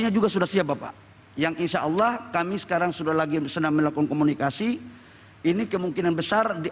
khususnya keperluan ekonomi dan teknologi